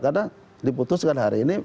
karena diputuskan hari ini